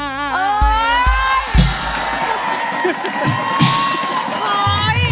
เหรอนะ